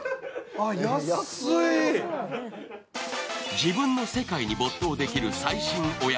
自分の世界に没頭できる最新お宿。